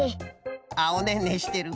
あっおねんねしてる。